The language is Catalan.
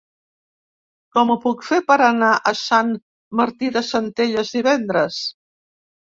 Com ho puc fer per anar a Sant Martí de Centelles divendres?